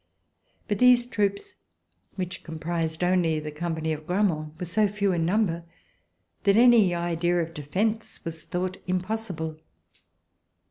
But these troops, which comprised only the company of Gramont, were so few in number that any idea of defence was thought impossible.